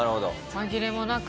紛れもなく。